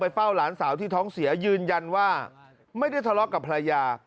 เฝ้าหลานสาวที่ท้องเสียยืนยันว่าไม่ได้ทะเลาะกับภรรยา